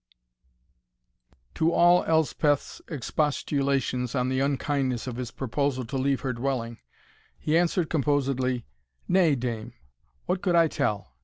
To all Elspeth's expostulations on the unkindness of his proposal to leave her dwelling, he answered composedly, "Nay, dame, what could I tell?